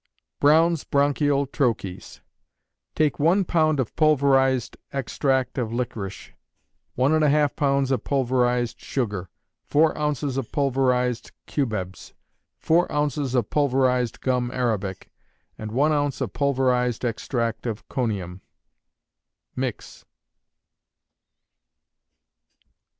Brown's Bronchial Troches. Take one pound of pulverized extract of licorice, one and a half pounds of pulverized sugar, four ounces of pulverized cubebs, four ounces of pulverized gum arabic, and one ounce of pulverized extract of conium. Mix.